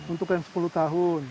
untuk yang sepuluh tahun